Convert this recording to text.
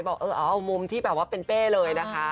บอกเออเอามุมที่แบบว่าเป็นเป้เลยนะคะ